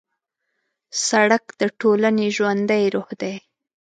سړک د ټولنې ژوندی روح دی.